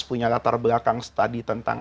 punya latar belakang study tentang